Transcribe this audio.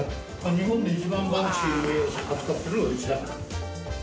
日本で一番バンクシーを扱ってるのはうちだから。